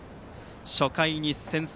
初回に先制。